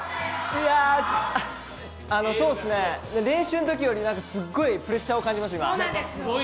いや、練習のときよりすごいプレッシャーを感じます、今。